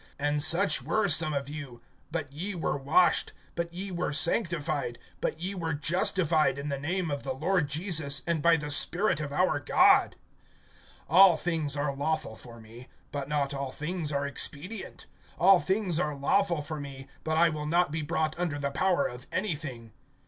(11)And such were some of you; but ye were washed, but ye were sanctified, but ye were justified in the name of the Lord Jesus, and by the Spirit of our God. (12)All things are lawful for me, but not all things are expedient; all things are lawful for me, but I will not be brought under the power of anything.